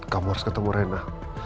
kamu harus ketemu rena